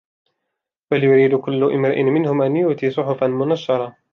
بَلْ يُرِيدُ كُلُّ امْرِئٍ مِنْهُمْ أَنْ يُؤْتَى صُحُفًا مُنَشَّرَةً